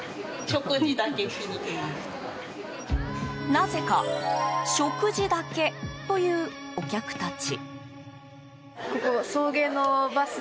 なぜか食事だけというお客たち。